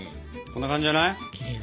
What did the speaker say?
こんな感じじゃない？